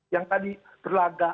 yang tadi berlagak